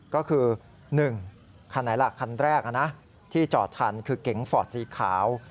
ก็คือ๑คันไหนล่ะคันแรกที่จอดทันคือเก๋งฟอร์ดสีขาว